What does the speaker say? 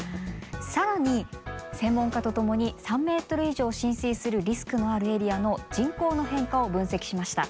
更に専門家と共に３ｍ以上浸水するリスクのあるエリアの人口の変化を分析しました。